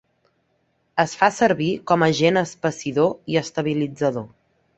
Es fa servir com agent espessidor i estabilitzador.